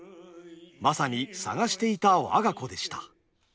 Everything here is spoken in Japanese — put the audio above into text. まさに捜していた我が子でした。